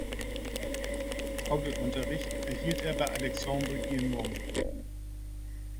Orgelunterricht erhielt er bei Alexandre Guilmant.